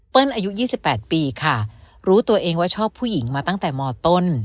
อายุ๒๘ปีค่ะรู้ตัวเองว่าชอบผู้หญิงมาตั้งแต่มต้น